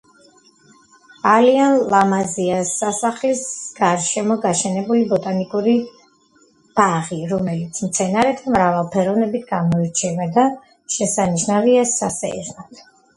ალიან ლამაზია სასახლის გარშემო გაშენებული ბოტანიკური ბაღი, რომელიც მცენარეთა მრავალფეროვნებით გამოირჩევა და შესანიშნავია სასეირნოდ